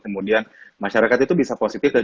kemudian masyarakat itu bisa positif dan